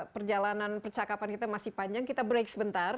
perjalanan percakapan kita masih panjang kita break sebentar